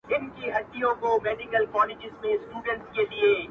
• د شرابو په محفل کي مُلا هم په گډا – گډ سو ـ